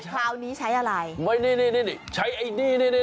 แต่คราวนี้ใช้อะไรไม่ใช่ใช้นี่